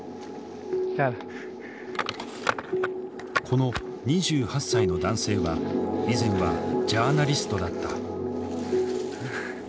この２８歳の男性は以前はジャーナリストだった。